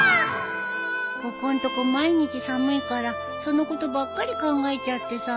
ここんとこ毎日寒いからそのことばっかり考えちゃってさ。